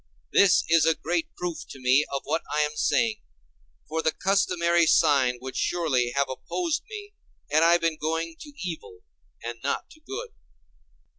This is a great proof to me of what I am saying, for the customary sign would surely have opposed me had I been going to evil and not to good.